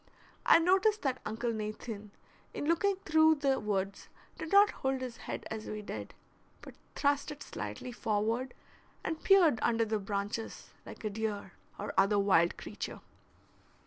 I noticed that Uncle Nathan, in looking through the woods, did not hold his head as we did, but thrust it slightly forward, and peered under the branches like a deer or other wild creature.